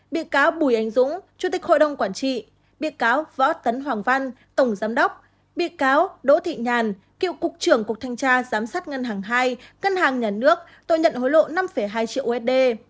bị cáo bùi anh dũng chủ tịch hội đồng quản trị bị cáo võ tấn hoàng văn tổng giám đốc bị cáo đỗ thị nhàn cựu cục trưởng cục thanh tra giám sát ngân hàng hai ngân hàng nhà nước tội nhận hối lộ năm hai triệu usd